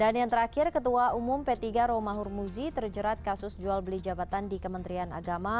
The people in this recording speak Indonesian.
dan yang terakhir ketua umum p tiga romahur muzi terjerat kasus jual beli jabatan di kementerian agama